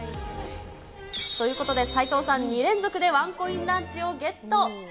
ということで、斎藤さん、２連続でワンコインランチをゲット。